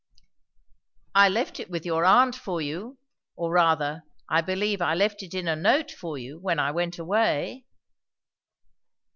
"I left it with your aunt for you; or rather, I believe I left it in a note for you, when I went away."